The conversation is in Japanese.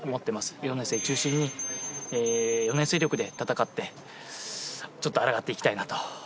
４年生中心に、４年生力で戦って、ちょっと抗っていきたいなと。